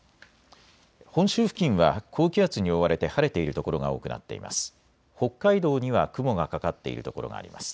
本州付近は高気圧に覆われて晴れている所が多くなっています。